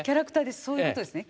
そういうことですね。